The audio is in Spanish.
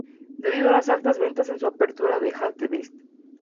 Debido a las altas ventas en su apertura de "All the Best!